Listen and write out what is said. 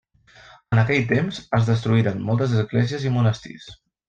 En aquell temps es destruïren moltes esglésies i monestirs.